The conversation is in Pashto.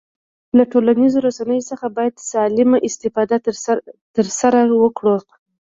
له ټولنیزو رسنیو څخه باید سالمه استفاده ترسره وکړو